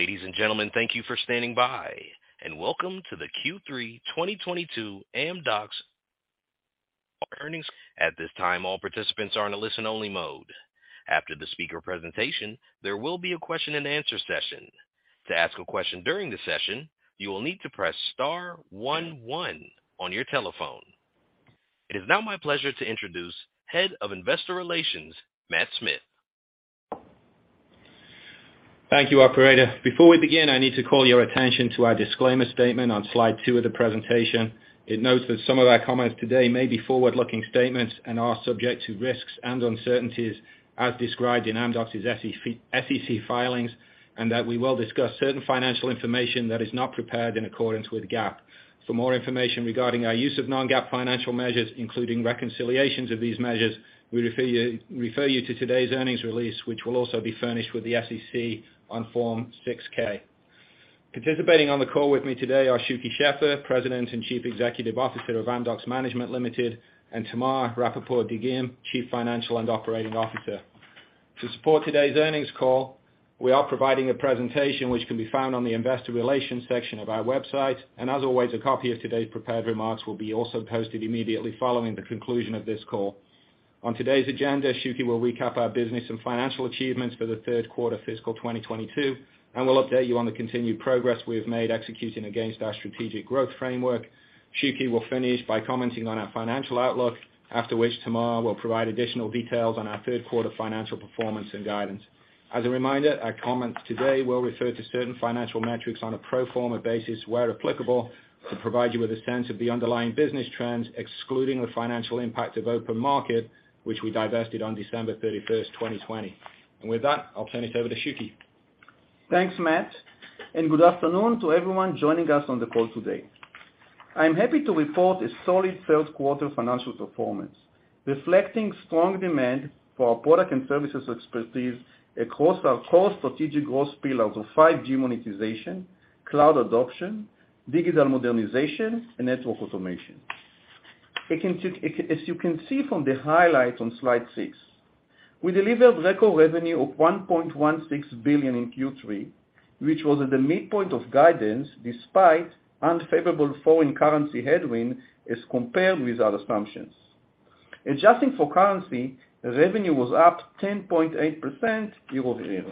Ladies and gentlemen, thank you for standing by, and welcome to the Q3 2022 Amdocs earnings. At this time, all participants are in a listen-only mode. After the speaker presentation, there will be a question and answer session. To ask a question during the session, you will need to press star one one on your telephone. It is now my pleasure to introduce Head of Investor Relations, Matt Smith. Thank you, operator. Before we begin, I need to call your attention to our disclaimer statement on slide two of the presentation. It notes that some of our comments today may be forward-looking statements and are subject to risks and uncertainties as described in Amdocs's SEC filings, and that we will discuss certain financial information that is not prepared in accordance with GAAP. For more information regarding our use of non-GAAP financial measures, including reconciliations of these measures, we refer you to today's earnings release, which will also be furnished with the SEC on Form 6-K. Participating on the call with me today are Shuky Sheffer, President and Chief Executive Officer of Amdocs Management Limited, and Tamar Rapaport-Dagim, Chief Financial and Operating Officer. To support today's earnings call, we are providing a presentation which can be found on the investor relations section of our website. As always, a copy of today's prepared remarks will be also posted immediately following the conclusion of this call. On today's agenda, Shuky will recap our business and financial achievements for the third quarter fiscal 2022, and will update you on the continued progress we have made executing against our strategic growth framework. Shuky will finish by commenting on our financial outlook, after which Tamar will provide additional details on our third quarter financial performance and guidance. As a reminder, our comments today will refer to certain financial metrics on a pro forma basis where applicable, to provide you with a sense of the underlying business trends, excluding the financial impact of OpenMarket, which we divested on December 31, 2020. With that, I'll turn it over to Shuky. Thanks, Matt, and good afternoon to everyone joining us on the call today. I'm happy to report a solid third quarter financial performance, reflecting strong demand for our product and services expertise across our core strategic growth pillars of 5G monetization, cloud adoption, digital modernization, and network automation. As you can see from the highlight on slide six, we delivered record revenue of $1.16 billion in Q3, which was at the midpoint of guidance, despite unfavorable foreign currency headwind as compared with our assumptions. Adjusting for currency, revenue was up 10.8% year-over-year.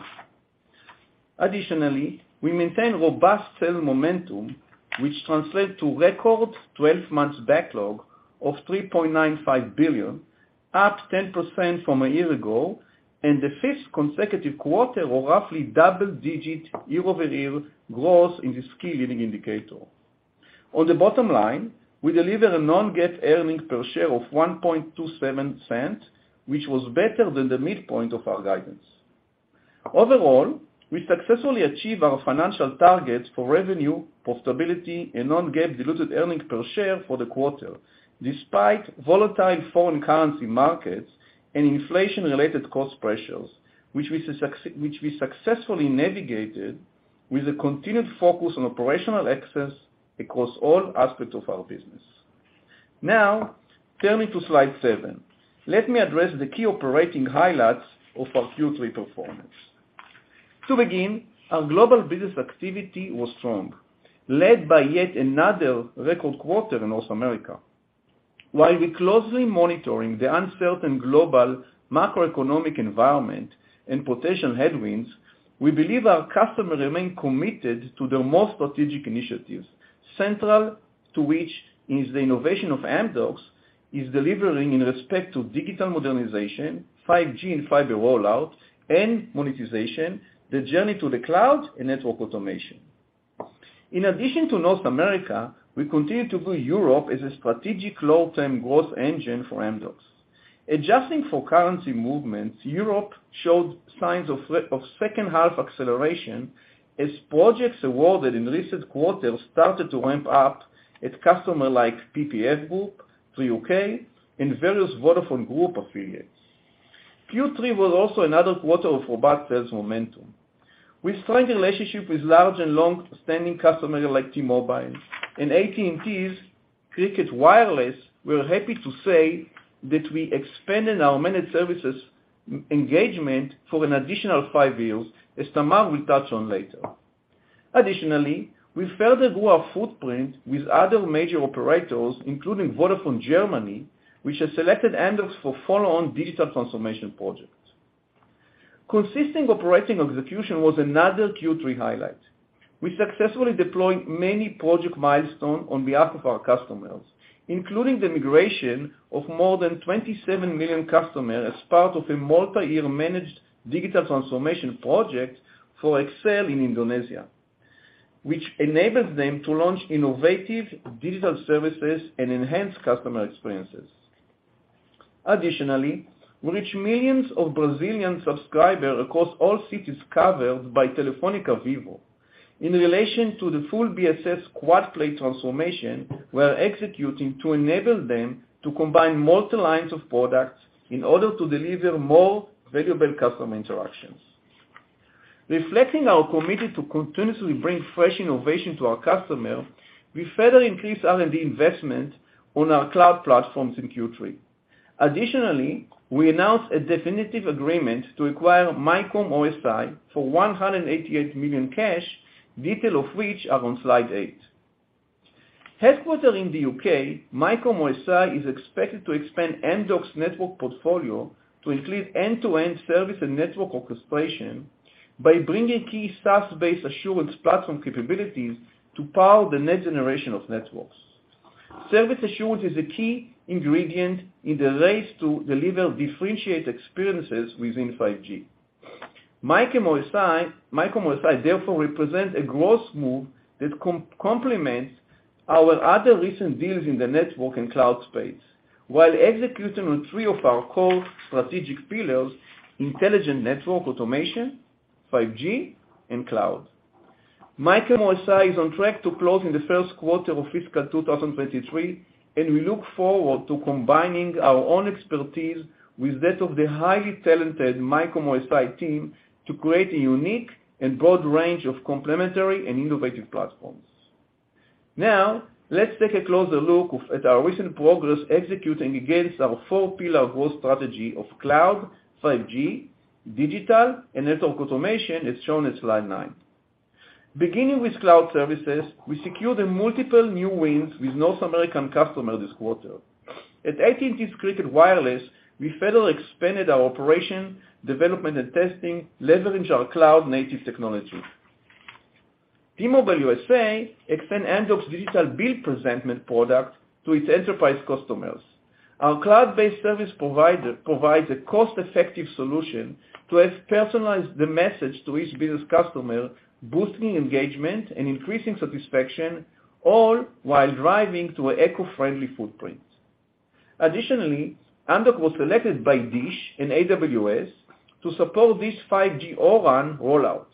Additionally, we maintain robust sales momentum, which translate to record 12 months backlog of $3.95 billion, up 10% from a year ago, and the fifth consecutive quarter of roughly double-digit year-over-year growth in this key leading indicator. On the bottom line, we deliver a non-GAAP earnings per share of $1.27, which was better than the midpoint of our guidance. Overall, we successfully achieve our financial targets for revenue, profitability, and non-GAAP diluted earnings per share for the quarter, despite volatile foreign currency markets and inflation-related cost pressures, which we successfully navigated with a continued focus on operational excellence across all aspects of our business. Now, turning to slide seven. Let me address the key operating highlights of our Q3 performance. To begin, our global business activity was strong, led by yet another record quarter in North America. While we're closely monitoring the uncertain global macroeconomic environment and potential headwinds, we believe our customers remain committed to their most strategic initiatives, central to which is the innovation of Amdocs is delivering in respect to digital modernization, 5G and fiber rollout and monetization, the journey to the cloud and network automation. In addition to North America, we continue to view Europe as a strategic long-term growth engine for Amdocs. Adjusting for currency movements, Europe showed signs of second half acceleration as projects awarded in recent quarters started to ramp up at customers like PPF Group, Three UK, and various Vodafone Group affiliates. Q3 was also another quarter of robust sales momentum. With strong relationship with large and long-standing customers like T-Mobile and AT&T's Cricket Wireless, we're happy to say that we expanded our managed services engagement for an additional five years, as Tamar will touch on later. Additionally, we further grew our footprint with other major operators, including Vodafone Germany, which has selected Amdocs for follow on digital transformation projects. Consistent operating execution was another Q3 highlight. We successfully deployed many project milestones on behalf of our customers, including the migration of more than 27 million customers as part of a multi-year managed digital transformation project for XL in Indonesia, which enables them to launch innovative digital services and enhance customer experiences. Additionally, we reach millions of Brazilian subscribers across all cities covered by Telefónica Vivo. In relation to the full BSS quad play transformation, we are executing to enable them to combine multiple lines of products in order to deliver more valuable customer interactions. Reflecting our commitment to continuously bring fresh innovation to our customer, we further increased R&D investment on our cloud platforms in Q3. Additionally, we announced a definitive agreement to acquire MYCOM OSI for $188 million cash, detail of which are on slide eight. Headquartered in the U.K., MYCOM OSI is expected to expand Amdocs network portfolio to include end-to-end service and network orchestration by bringing key SaaS-based assurance platform capabilities to power the next generation of networks. Service assurance is a key ingredient in the race to deliver differentiated experiences within 5G. MYCOM OSI therefore represents a growth move that complements our other recent deals in the network and cloud space, while executing on three of our core strategic pillars, intelligent network automation, 5G, and cloud. MYCOM OSI is on track to close in the first quarter of fiscal 2023, and we look forward to combining our own expertise with that of the highly talented MYCOM OSI team to create a unique and broad range of complementary and innovative platforms. Now, let's take a closer look at our recent progress executing against our four-pillar growth strategy of cloud, 5G, digital, and network automation, as shown in slide nine. Beginning with cloud services, we secured multiple new wins with North American customer this quarter. At AT&T's Cricket Wireless, we further expanded our operation, development, and testing, leveraging our cloud-native technology. T-Mobile USA extend Amdocs' digital bill presentment product to its enterprise customers. Our cloud-based service provider provides a cost-effective solution to personalize the message to each business customer, boosting engagement and increasing satisfaction, all while driving toward an eco-friendly footprint. Additionally, Amdocs was selected by DISH and AWS to support DISH's 5G O-RAN rollout.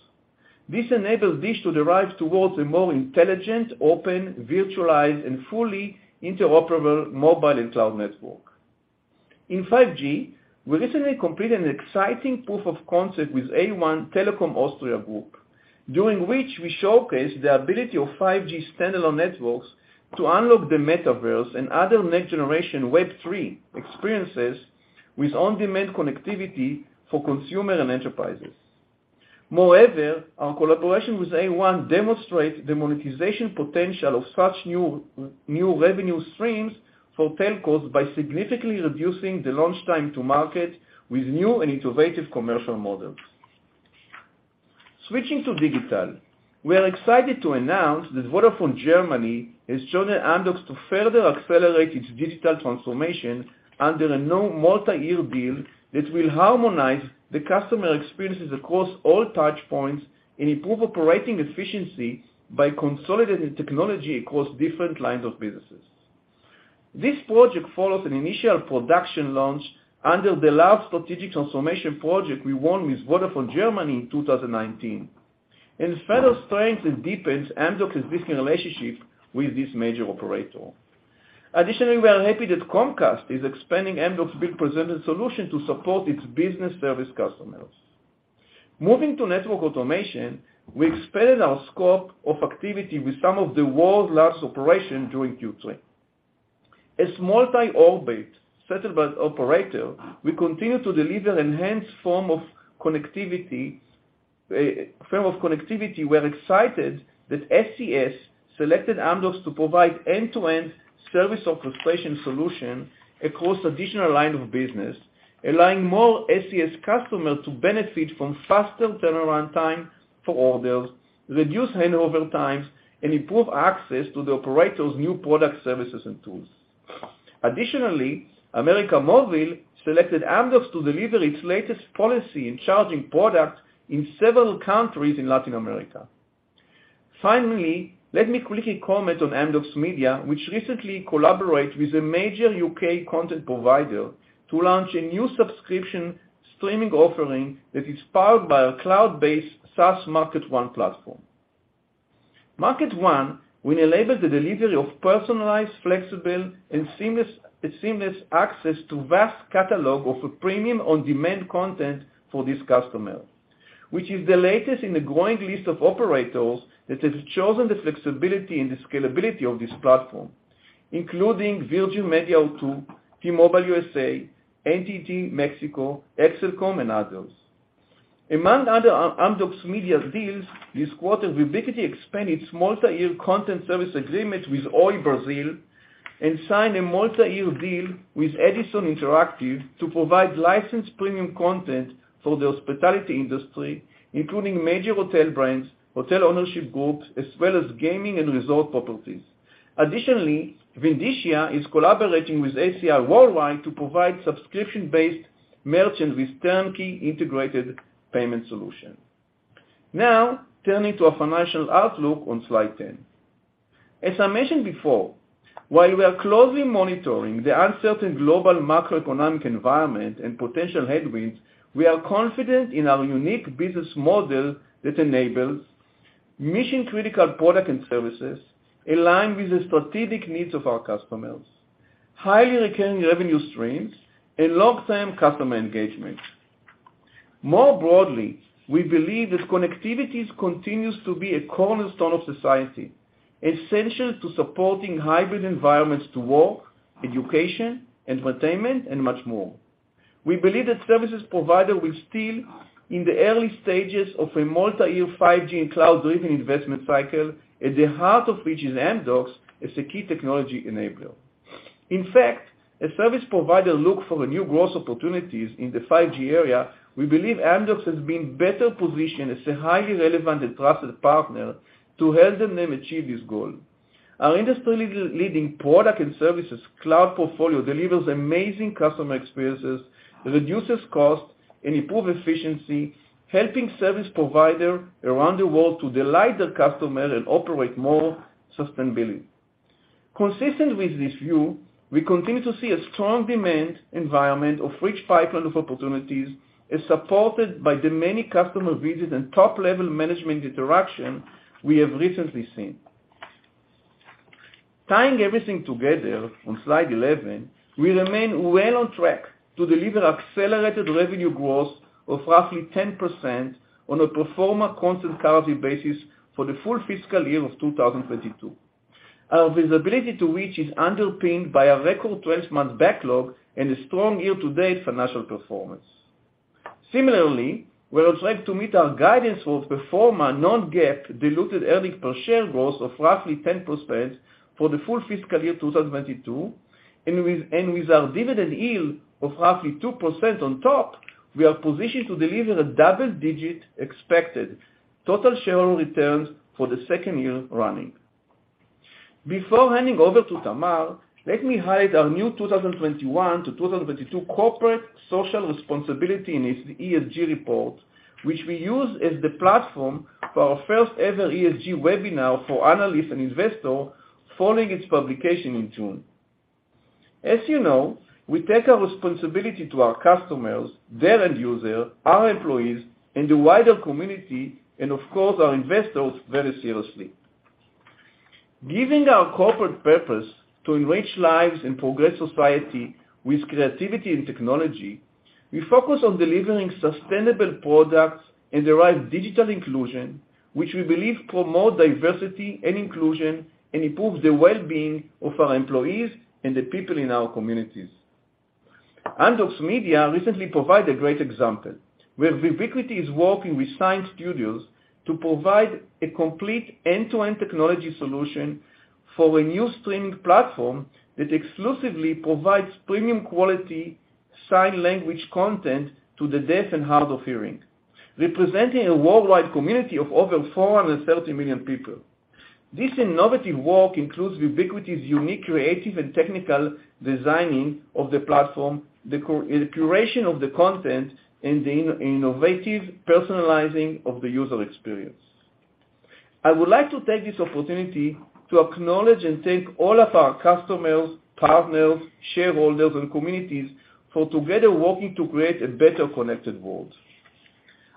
This enables DISH to drive toward a more intelligent, open, virtualized, and fully interoperable mobile and cloud network. In 5G, we recently completed an exciting proof of concept with A1 Telekom Austria Group, during which we showcased the ability of 5G standalone networks to unlock the metaverse and other next-generation Web3 experiences with on-demand connectivity for consumers and enterprises. Moreover, our collaboration with A1 demonstrates the monetization potential of such new revenue streams for telcos by significantly reducing the launch time to market with new and innovative commercial models. Switching to digital, we are excited to announce that Vodafone Germany has chosen Amdocs to further accelerate its digital transformation under a new multi-year deal that will harmonize the customer experiences across all touchpoints and improve operating efficiency by consolidating technology across different lines of businesses. This project follows an initial production launch under the large strategic transformation project we won with Vodafone Germany in 2019, and further strengthens and deepens Amdocs' existing relationship with this major operator. Additionally, we are happy that Comcast is expanding Amdocs' Bill Presentment solution to support its business service customers. Moving to network automation, we expanded our scope of activity with some of the world's largest operators during Q3. As a multi-orbit satellite operator, we continue to deliver enhanced form of connectivity. We're excited that SES selected Amdocs to provide end-to-end service orchestration solution across additional line of business, allowing more SES customers to benefit from faster turnaround time for orders, reduce handover times, and improve access to the operator's new product services and tools. Additionally, América Móvil selected Amdocs to deliver its latest policy and charging product in several countries in Latin America. Finally, let me quickly comment on Amdocs Media, which recently collaborate with a major U.K. content provider to launch a new subscription streaming offering that is powered by a cloud-based SaaS MarketONE platform. MarketONE will enable the delivery of personalized, flexible, and seamless access to vast catalog of a premium on-demand content for this customer, which is the latest in a growing list of operators that have chosen the flexibility and the scalability of this platform, including Virgin Media O2, T-Mobile US, AT&T Mexico, XL Axiata, and others. Among other Amdocs Media deals, this quarter, we basically expanded its multi-year content service agreement with Oi Brazil and signed a multi-year deal with Edison Interactive to provide licensed premium content for the hospitality industry, including major hotel brands, hotel ownership groups, as well as gaming and resort properties. Additionally, Vindicia is collaborating with ACI Worldwide to provide subscription-based merchants with turnkey integrated payment solution. Now, turning to our financial outlook on slide 10. As I mentioned before, while we are closely monitoring the uncertain global macroeconomic environment and potential headwinds, we are confident in our unique business model that enables mission-critical products and services aligned with the strategic needs of our customers, highly recurring revenue streams, and long-term customer engagement. More broadly, we believe that connectivity continues to be a cornerstone of society, essential to supporting hybrid environments to work, education, entertainment, and much more. We believe that service providers will still, in the early stages of a multi-year 5G and cloud-driven investment cycle, at the heart of which is Amdocs as a key technology enabler. In fact, as service providers look for the new growth opportunities in the 5G area, we believe Amdocs has been better positioned as a highly relevant and trusted partner to help them achieve this goal. Our industry-leading products and services cloud portfolio delivers amazing customer experiences, reduces costs, and improves efficiency, helping service providers around the world to delight the customer and operate more sustainably. Consistent with this view, we continue to see a strong demand environment, a rich pipeline of opportunities is supported by the many customer visits and top-level management interactions we have recently seen. Tying everything together on slide 11, we remain well on track to deliver accelerated revenue growth of roughly 10% on a pro forma constant currency basis for the full fiscal year of 2022. Our visibility, which is underpinned by a record 12-month backlog and a strong year-to-date financial performance. Similarly, we're on track to meet our guidance for pro forma non-GAAP diluted earnings per share growth of roughly 10% for the full fiscal year of 2022. With our dividend yield of roughly 2% on top, we are positioned to deliver a double-digit expected total shareholder returns for the second year running. Before handing over to Tamar, let me highlight our new 2021-2022 corporate social responsibility and its ESG report, which we use as the platform for our first ever ESG webinar for analysts and investors following its publication in June. As you know, we take our responsibility to our customers, their end user, our employees, and the wider community, and of course, our investors, very seriously. Given our corporate purpose to enrich lives and progress society with creativity and technology, we focus on delivering sustainable products and the right digital inclusion, which we believe promote diversity and inclusion and improve the wellbeing of our employees and the people in our communities. Amdocs Media recently provided a great example, where Vubiquity is working with Sign Studios to provide a complete end-to-end technology solution for a new streaming platform that exclusively provides premium quality sign language content to the deaf and hard of hearing, representing a worldwide community of over 430 million people. This innovative work includes Vubiquity's unique creative and technical designing of the platform, the curation of the content, and the innovative personalizing of the user experience. I would like to take this opportunity to acknowledge and thank all of our customers, partners, shareholders, and communities for together working to create a better connected world.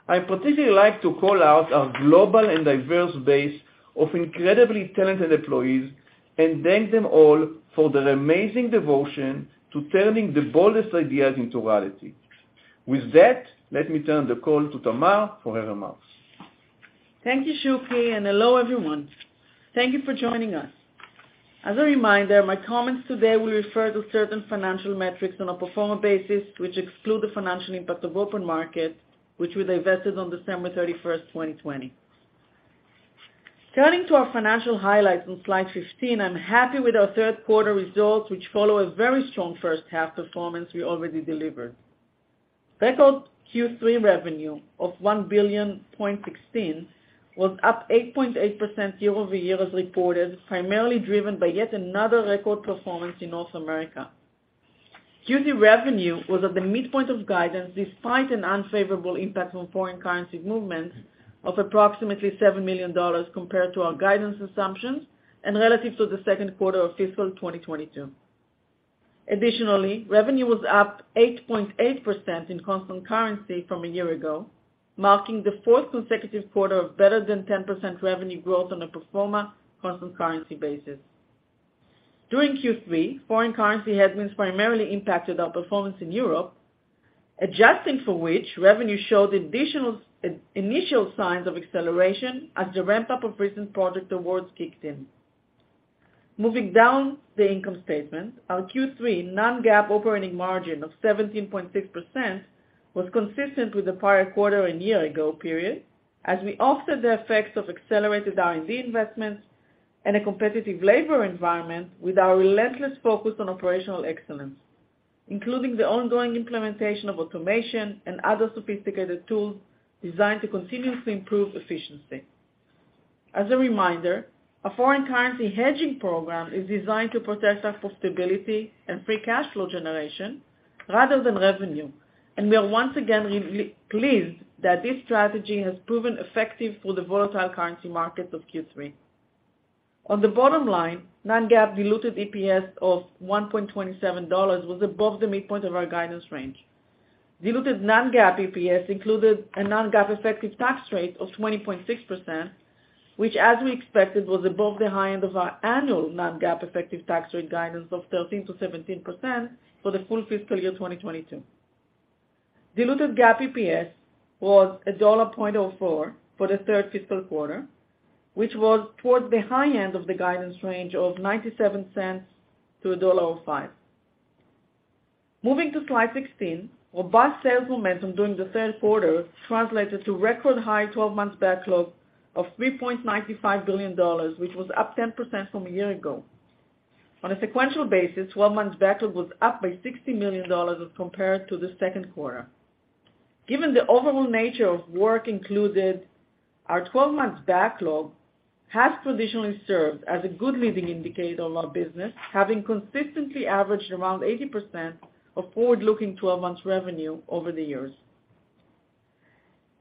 I particularly like to call out our global and diverse base of incredibly talented employees and thank them all for their amazing devotion to turning the boldest ideas into reality. With that, let me turn the call to Tamar for her remarks. Thank you, Shuky, and hello everyone. Thank you for joining us. As a reminder, my comments today will refer to certain financial metrics on a pro forma basis, which exclude the financial impact of OpenMarket, which we divested on December 31st, 2020. Turning to our financial highlights on slide 15, I'm happy with our third quarter results, which follow a very strong first half performance we already delivered. Record Q3 revenue of $1.016 billion was up 8.8% year-over-year as reported, primarily driven by yet another record performance in North America. Q3 revenue was at the midpoint of guidance despite an unfavorable impact on foreign currency movements of approximately $7 million compared to our guidance assumptions and relative to the second quarter of fiscal 2022. Additionally, revenue was up 8.8% in constant currency from a year ago, marking the fourth consecutive quarter of better than 10% revenue growth on a pro forma constant currency basis. During Q3, foreign currency headwinds primarily impacted our performance in Europe, adjusting for which, revenue showed additional initial signs of acceleration as the ramp-up of recent project awards kicked in. Moving down the income statement, our Q3 non-GAAP operating margin of 17.6% was consistent with the prior quarter and year ago period, as we offset the effects of accelerated R&D investments and a competitive labor environment with our relentless focus on operational excellence, including the ongoing implementation of automation and other sophisticated tools designed to continuously improve efficiency. As a reminder, our foreign currency hedging program is designed to protect our profitability and free cash flow generation rather than revenue, and we are once again pleased that this strategy has proven effective through the volatile currency markets of Q3. On the bottom line, non-GAAP diluted EPS of $1.27 was above the midpoint of our guidance range. Diluted non-GAAP EPS included a non-GAAP effective tax rate of 20.6%, which as we expected, was above the high end of our annual non-GAAP effective tax rate guidance of 13%-17% for the full fiscal year 2022. Diluted GAAP EPS was $1.04 for the third fiscal quarter, which was towards the high end of the guidance range of $0.97-$1.05. Moving to slide 16, robust sales momentum during the third quarter translated to record high 12-month backlog of $3.95 billion, which was up 10% from a year ago. On a sequential basis, 12-month backlog was up by $60 million as compared to the second quarter. Given the overall nature of work included, our 12-month backlog has traditionally served as a good leading indicator of our business, having consistently averaged around 80% of forward-looking 12-month revenue over the years.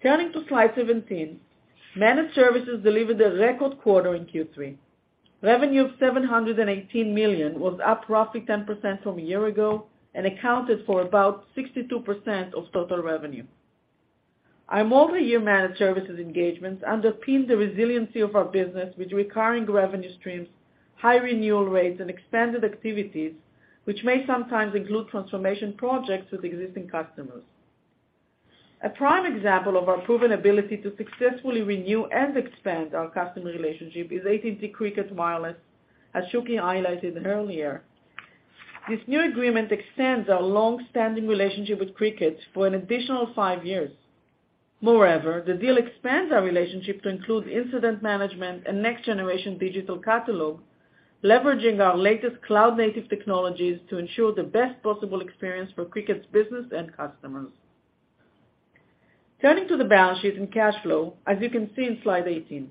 Turning to slide 17. Managed services delivered a record quarter in Q3. Revenue of $718 million was up roughly 10% from a year ago and accounted for about 62% of total revenue. Our multi-year managed services engagements underpin the resiliency of our business with recurring revenue streams, high renewal rates, and expanded activities, which may sometimes include transformation projects with existing customers. A prime example of our proven ability to successfully renew and expand our customer relationship is AT&T Cricket Wireless, as Shuky highlighted earlier. This new agreement extends our long-standing relationship with Cricket for an additional five years. Moreover, the deal expands our relationship to include incident management and next generation digital catalog, leveraging our latest cloud native technologies to ensure the best possible experience for Cricket's business and customers. Turning to the balance sheet and cash flow, as you can see in slide 18.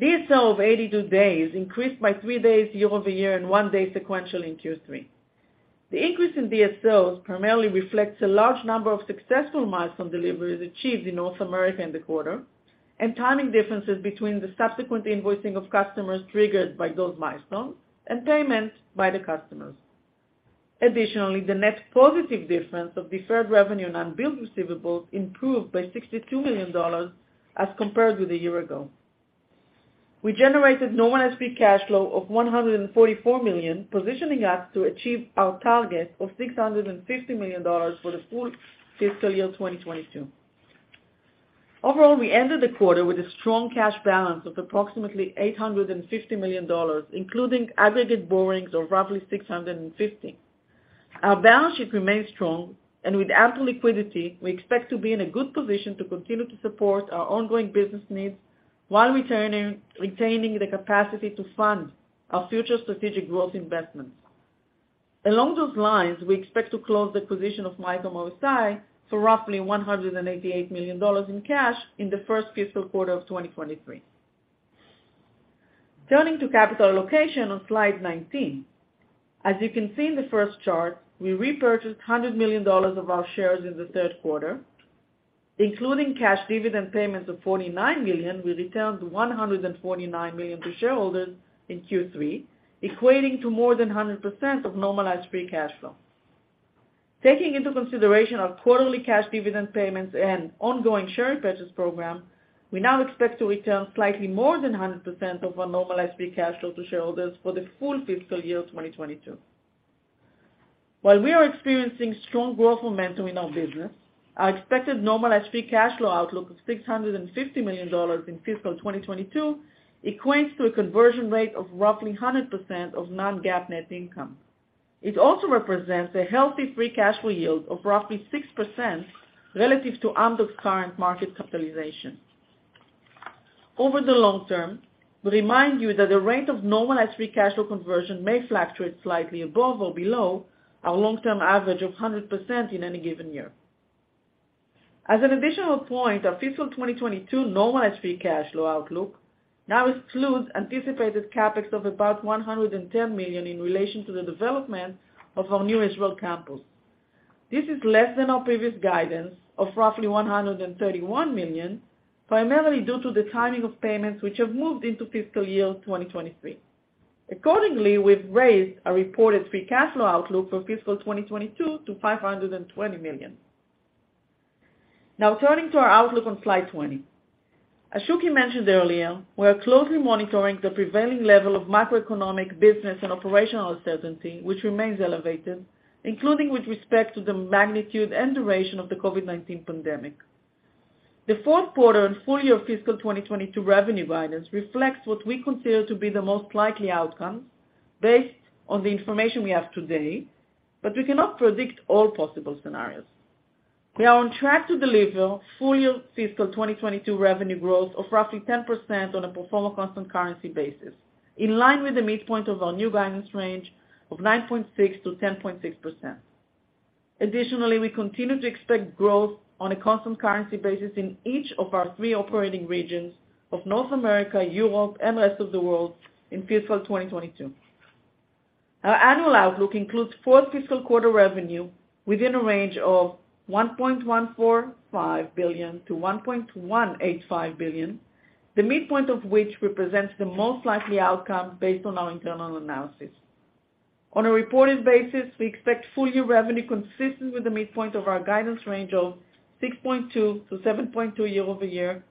DSO of 82 days increased by three days year-over-year and one day sequentially in Q3. The increase in DSOs primarily reflects a large number of successful milestone deliveries achieved in North America in the quarter, and timing differences between the subsequent invoicing of customers triggered by those milestones and payments by the customers. Additionally, the net positive difference of deferred revenue and unbilled receivables improved by $62 million as compared with a year ago. We generated normalized free cash flow of $144 million, positioning us to achieve our target of $650 million for the full fiscal year 2022. Overall, we ended the quarter with a strong cash balance of approximately $850 million, including aggregate borrowings of roughly $650 million. Our balance sheet remains strong, and with ample liquidity, we expect to be in a good position to continue to support our ongoing business needs while retaining the capacity to fund our future strategic growth investments. Along those lines, we expect to close the acquisition of MYCOM OSI for roughly $188 million in cash in the first fiscal quarter of 2023. Turning to capital allocation on slide 19. As you can see in the first chart, we repurchased $100 million of our shares in the third quarter. Including cash dividend payments of $49 million, we returned $149 million to shareholders in Q3, equating to more than 100% of normalized free cash flow. Taking into consideration our quarterly cash dividend payments and ongoing share repurchase program, we now expect to return slightly more than 100% of our normalized free cash flow to shareholders for the full fiscal year 2022. While we are experiencing strong growth momentum in our business, our expected normalized free cash flow outlook of $650 million in fiscal 2022 equates to a conversion rate of roughly 100% of non-GAAP net income. It also represents a healthy free cash flow yield of roughly 6% relative to Amdocs' current market capitalization. Over the long term, we remind you that the rate of normalized free cash flow conversion may fluctuate slightly above or below our long-term average of 100% in any given year. As an additional point, our fiscal 2022 normalized free cash flow outlook now excludes anticipated CapEx of about $110 million in relation to the development of our new Israel campus. This is less than our previous guidance of roughly $131 million, primarily due to the timing of payments, which have moved into fiscal year 2023. Accordingly, we've raised our reported free cash flow outlook for fiscal 2022 to $520 million. Now turning to our outlook on slide 20. Shuky mentioned earlier, we are closely monitoring the prevailing level of macroeconomic business and operational uncertainty, which remains elevated, including with respect to the magnitude and duration of the COVID-19 pandemic. The fourth quarter and full year fiscal 2022 revenue guidance reflects what we consider to be the most likely outcome based on the information we have today, but we cannot predict all possible scenarios. We are on track to deliver full-year fiscal 2022 revenue growth of roughly 10% on a pro forma constant currency basis, in line with the midpoint of our new guidance range of 9.6%-10.6%. Additionally, we continue to expect growth on a constant currency basis in each of our three operating regions of North America, Europe, and rest of the world in fiscal 2022. Our annual outlook includes fourth fiscal quarter revenue within a range of $1.145 billion-$1.185 billion, the midpoint of which represents the most likely outcome based on our internal analysis. On a reported basis, we expect full-year revenue consistent with the midpoint of our guidance range of $6.2 billion-$7.2 billion year-over-year,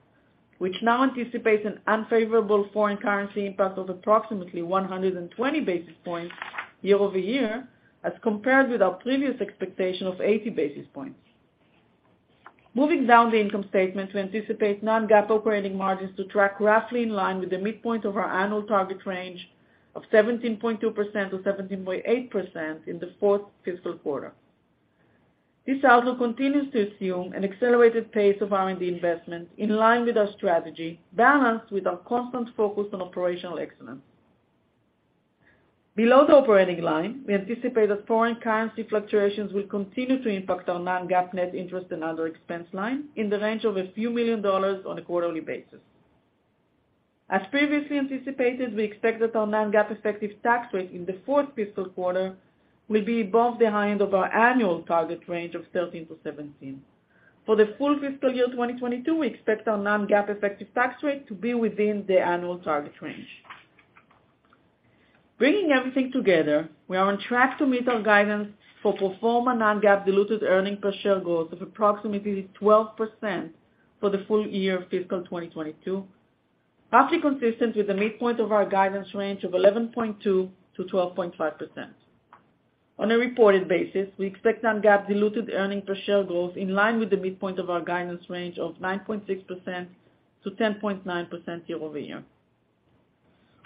which now anticipates an unfavorable foreign currency impact of approximately 120 basis points year-over-year, as compared with our previous expectation of 80 basis points. Moving down the income statement, we anticipate non-GAAP operating margins to track roughly in line with the midpoint of our annual target range of 17.2%-17.8% in the fourth fiscal quarter. This outlook continues to assume an accelerated pace of R&D investment in line with our strategy, balanced with our constant focus on operational excellence. Below the operating line, we anticipate that foreign currency fluctuations will continue to impact our non-GAAP net interest and other expense line in the range of a few million dollars on a quarterly basis. As previously anticipated, we expect that our non-GAAP effective tax rate in the fourth fiscal quarter will be above the high end of our annual target range of 13%-17%. For the full fiscal year 2022, we expect our non-GAAP effective tax rate to be within the annual target range. Bringing everything together, we are on track to meet our guidance for pro forma non-GAAP diluted earnings per share growth of approximately 12% for the full year of fiscal 2022, roughly consistent with the midpoint of our guidance range of 11.2%-12.5%. On a reported basis, we expect non-GAAP diluted earnings per share growth in line with the midpoint of our guidance range of 9.6%-10.9% year-over-year.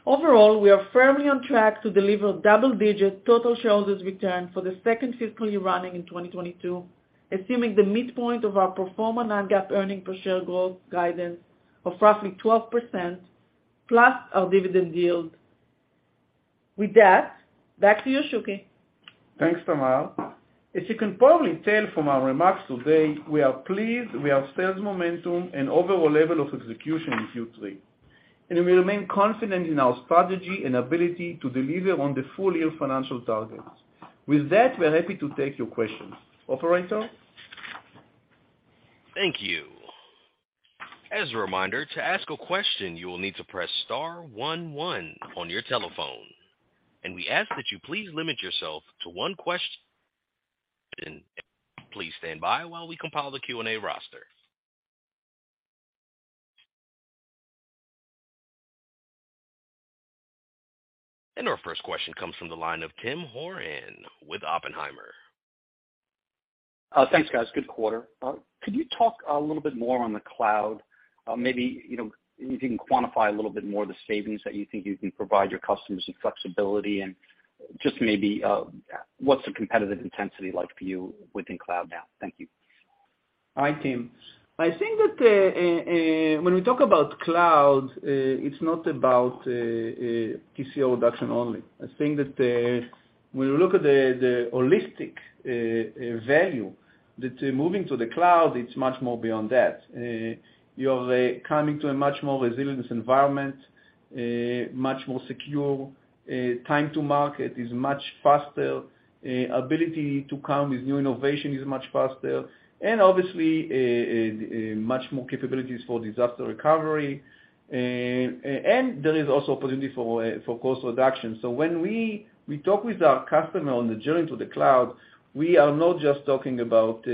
Overall, we are firmly on track to deliver double-digit total shareholders return for the second fiscal year running in 2022, assuming the midpoint of our pro forma non-GAAP earnings per share growth guidance of roughly 12% plus our dividend yield. With that, back to you, Shuky. Thanks, Tamar. As you can probably tell from our remarks today, we are pleased with our sales momentum and overall level of execution in Q3. We remain confident in our strategy and ability to deliver on the full-year financial targets. With that, we are happy to take your questions. Operator? Thank you. As a reminder, to ask a question, you will need to press star one one on your telephone, and we ask that you please limit yourself to one question. Please stand by while we compile the Q&A roster. Our first question comes from the line of Tim Horan with Oppenheimer. Thanks, guys. Good quarter. Could you talk a little bit more on the cloud? Maybe, you know, if you can quantify a little bit more of the savings that you think you can provide your customers, the flexibility and just maybe, what's the competitive intensity like for you within cloud now? Thank you. Hi, Tim. I think that when we talk about cloud, it's not about TCO reduction only. I think that when you look at the holistic value that moving to the cloud, it's much more beyond that. You're coming to a much more resilient environment, much more secure. Time to market is much faster. Ability to come with new innovation is much faster and obviously much more capabilities for disaster recovery. There is also opportunity for cost reduction. When we talk with our customer on the journey to the cloud, we are not just talking about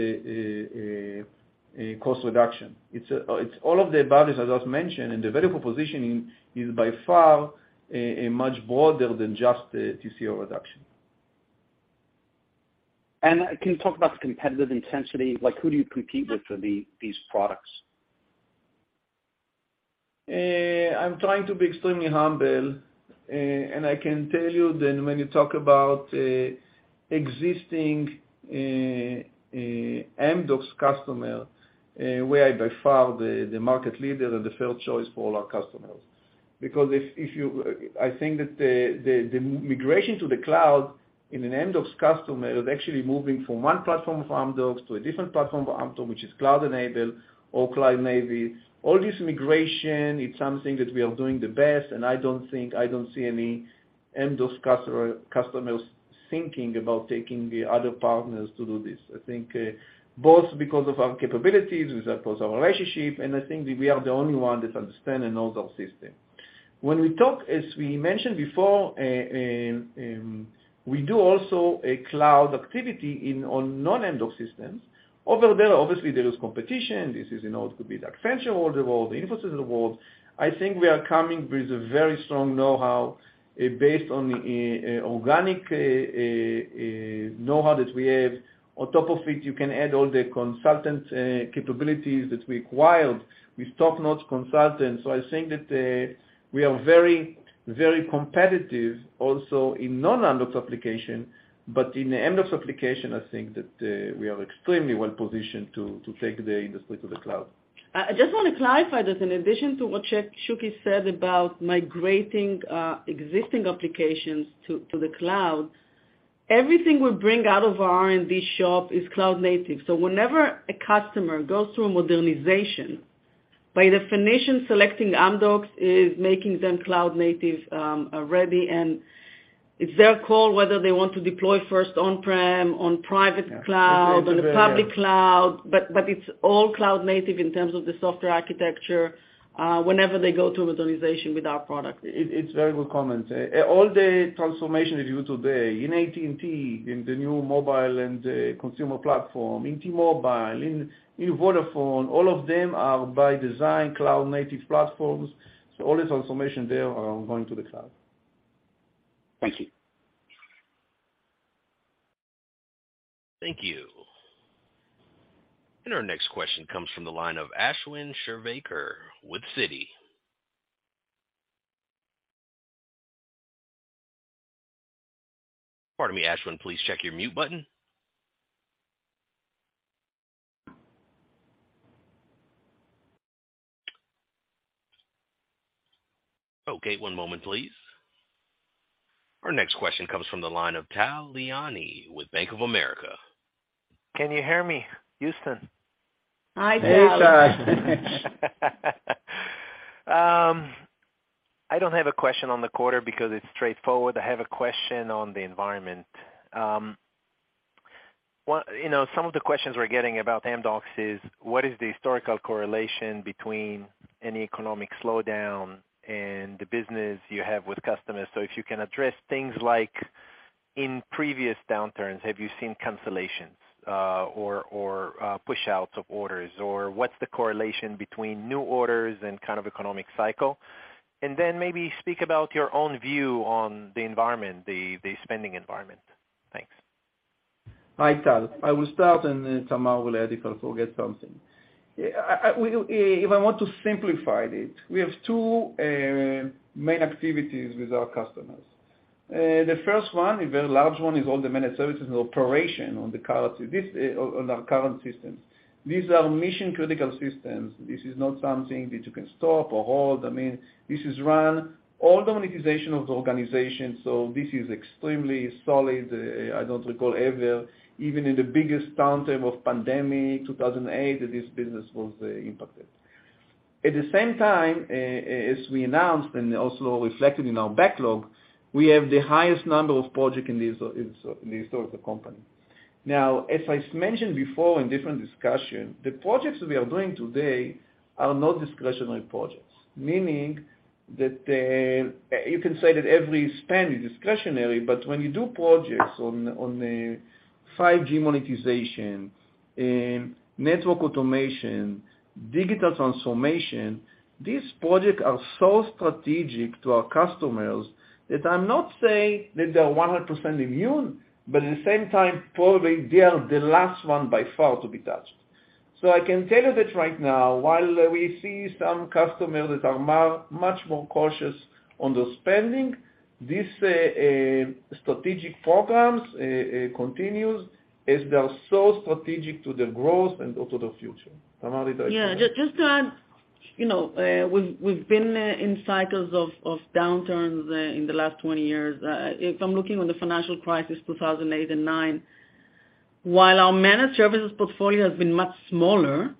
cost reduction. It's all of the values, as I've mentioned, and the value proposition is by far much broader than just the TCO reduction. Can you talk about the competitive intensity? Like, who do you compete with for these products? I'm trying to be extremely humble, and I can tell you that when you talk about existing Amdocs customer, we are by far the market leader and the first choice for all our customers. Because I think that the migration to the cloud in an Amdocs customer is actually moving from one platform of Amdocs to a different platform of Amdocs, which is cloud-enabled or cloud-native. All this migration, it's something that we are doing the best, and I don't see any Amdocs customers thinking about taking the other partners to do this. I think both because of our capabilities, because of course our relationship, and I think that we are the only one that understand and knows our system. When we talk, as we mentioned before, we do also a cloud activity on non-Amdocs systems. Over there, obviously, there is competition. This is, you know, it could be the Accenture of the world, the Infosys of the world. I think we are coming with a very strong know-how based on organic know-how that we have. On top of it, you can add all the consultant capabilities that we acquired with top-notch consultants. I think that we are very, very competitive also in non-Amdocs application. In the Amdocs application, I think that we are extremely well positioned to take the industry to the cloud. I just want to clarify that in addition to what Shuky said about migrating existing applications to the cloud, everything we bring out of our R&D shop is cloud native. Whenever a customer goes through a modernization. By definition, selecting Amdocs is making them cloud native ready, and it's their call whether they want to deploy first on-prem, on private cloud- Yeah. ...on a public cloud. It's all cloud native in terms of the software architecture, whenever they go to authorization with our product. It's very good comment. All the transformation that you do today in AT&T, in the new mobile and the consumer platform, in T-Mobile, in Vodafone, all of them are by design cloud native platforms, so all this transformation there are going to the cloud. Thank you. Thank you. Our next question comes from the line of Ashwin Shirvaikar with Citi. Pardon me, Ashwin, please check your mute button. Okay, one moment please. Our next question comes from the line of Tal Liani with Bank of America. Can you hear me, Houston? Hi, Tal. Hey, Tal. I don't have a question on the quarter because it's straightforward. I have a question on the environment. You know, some of the questions we're getting about Amdocs is: What is the historical correlation between an economic slowdown and the business you have with customers? So if you can address things like, in previous downturns, have you seen cancellations, or push-outs of orders, or what's the correlation between new orders and kind of economic cycle? Then maybe speak about your own view on the environment, the spending environment. Thanks. Hi, Tal. I will start, and then Tamar will add if I forget something. If I want to simplify it, we have two main activities with our customers. The first one, a very large one, is all the managed services and operation on our current systems. These are mission-critical systems. This is not something that you can stop or hold. I mean, this is run all the monetization of the organization, so this is extremely solid. I don't recall ever, even in the biggest downturn of pandemic, 2008, that this business was impacted. At the same time, as we announced, and also reflected in our backlog, we have the highest number of project in the history of the company. Now, as I've mentioned before in different discussion, the projects we are doing today are not discretionary projects, meaning that, you can say that every spend is discretionary, but when you do projects on 5G monetization, network automation, digital transformation, these projects are so strategic to our customers that I'm not saying that they are 100% immune, but at the same time, probably they are the last one by far to be touched. I can tell you that right now, while we see some customers that are much more cautious on the spending, this strategic programs continues as they are so strategic to their growth and also the future. Tamar, do you like to add? Just to add, you know, we've been in cycles of downturns in the last 20 years. If I'm looking back on the financial crisis, 2008 and 2009, while our managed services portfolio has been much smaller,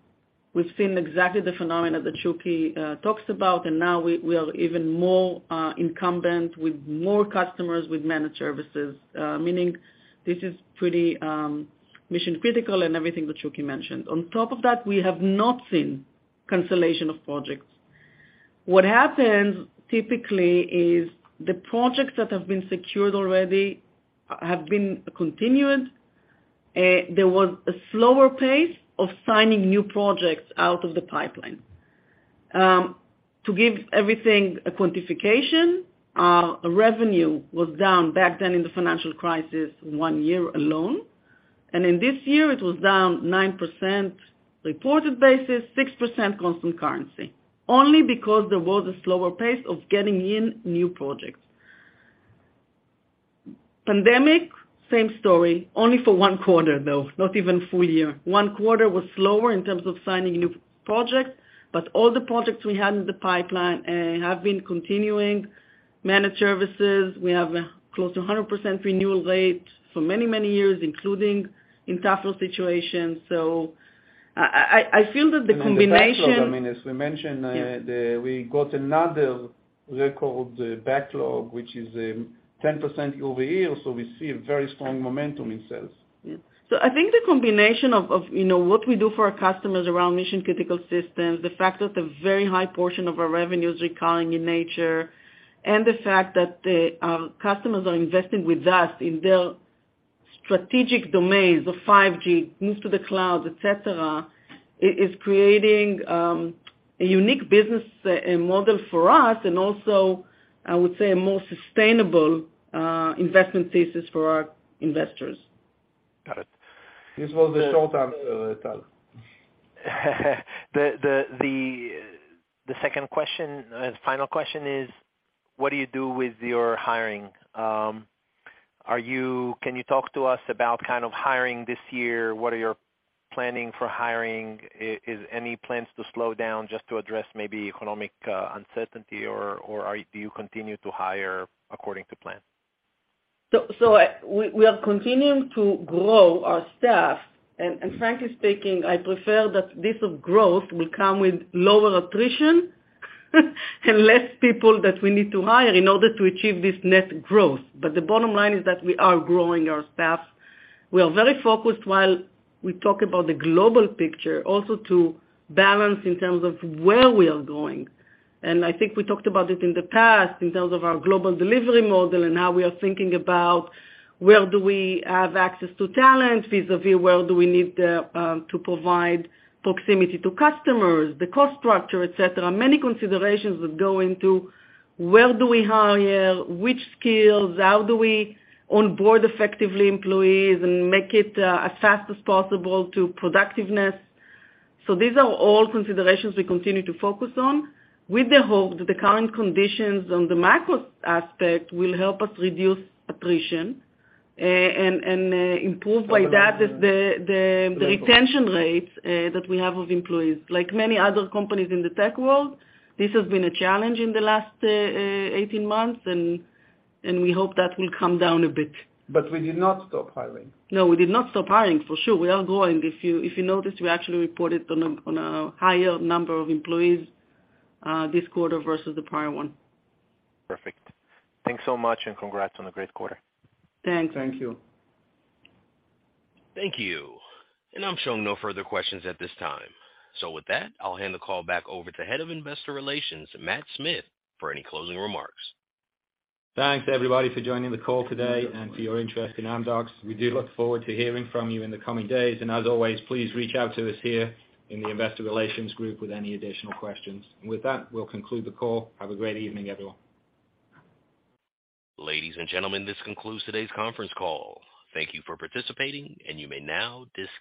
we've seen exactly the phenomena that Shuky talks about, and now we are even more incumbent with more customers with managed services, meaning this is pretty mission-critical and everything that Shuky mentioned. On top of that, we have not seen cancellation of projects. What happens typically is the projects that have been secured already have been continued. There was a slower pace of signing new projects out of the pipeline. To give everything a quantification, our revenue was down back then in the financial crisis one year alone. In this year, it was down 9% reported basis, 6% constant currency, only because there was a slower pace of getting in new projects. Pandemic, same story, only for one quarter, though, not even full year. One quarter was slower in terms of signing new projects, but all the projects we had in the pipeline have been continuing. Managed services, we have close to a 100% renewal rate for many, many years, including in tougher situations. So I feel that the combination. The backlog, I mean, as we mentioned. Yes. We got another record backlog, which is 10% year-over-year, so we see a very strong momentum in sales. Yeah. I think the combination of you know what we do for our customers around mission-critical systems, the fact that a very high portion of our revenue is recurring in nature, and the fact that our customers are investing with us in their strategic domains of 5G, move to the cloud, et cetera, is creating a unique business model for us and also, I would say, a more sustainable investment thesis for our investors. Got it. This was the short answer, Tal. The second question, final question is: What do you do with your hiring? Can you talk to us about kind of hiring this year? What are your planning for hiring? Any plans to slow down just to address maybe economic uncertainty or do you continue to hire according to plan? We are continuing to grow our staff. Frankly speaking, I prefer that this growth will come with lower attrition and less people that we need to hire in order to achieve this net growth. The bottom line is that we are growing our staff. We are very focused while we talk about the global picture, also to balance in terms of where we are growing. I think we talked about it in the past in terms of our global delivery model, and now we are thinking about where do we have access to talent, vis-a-vis where do we need to provide proximity to customers, the cost structure, et cetera. Many considerations that go into where do we hire, which skills, how do we onboard effectively employees and make it as fast as possible to productiveness. These are all considerations we continue to focus on with the hope that the current conditions on the macro aspect will help us reduce attrition, and improve by that the retention rates that we have of employees. Like many other companies in the tech world, this has been a challenge in the last 18 months and we hope that will come down a bit. We did not stop hiring. No, we did not stop hiring, for sure. We are growing. If you noticed, we actually reported on a higher number of employees, this quarter versus the prior one. Perfect. Thanks so much and congrats on a great quarter. Thanks. Thank you. Thank you. I'm showing no further questions at this time. With that, I'll hand the call back over to Head of Investor Relations, Matt Smith, for any closing remarks. Thanks everybody for joining the call today and for your interest in Amdocs. We do look forward to hearing from you in the coming days. As always, please reach out to us here in the investor relations group with any additional questions. With that, we'll conclude the call. Have a great evening, everyone. Ladies and gentlemen, this concludes today's conference call. Thank you for participating, and you may now disconnect.